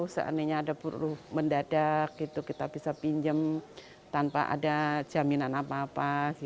seandainya ada buruh mendadak kita bisa pinjam tanpa ada jaminan apa apa